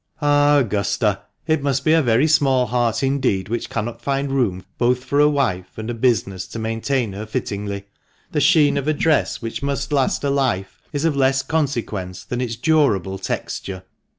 " Ah ! Augusta, it must be a very small heart indeed which cannot find room both for a wife and a business to maintain her fittingly. The sheen of a dress which must last a life is of less consequence than its durable texture."